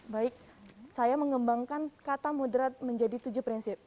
baik saya mengembangkan kata moderat menjadi tujuh prinsip